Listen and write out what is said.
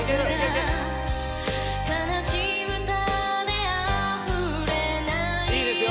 いいですよ。